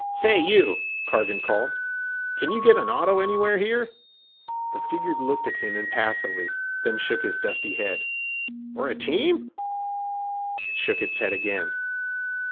'Say, you!' Cargan called, 'can you get an auto anywhere here?' The figure looked at him impassively, then shook its dusty head. 'Or a team?' It shook its head again.